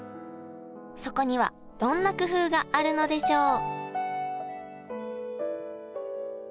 そこにはどんな工夫があるのでしょう？